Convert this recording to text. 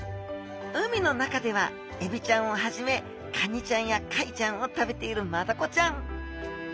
海の中ではエビちゃんをはじめカニちゃんやカイちゃんを食べているマダコちゃん。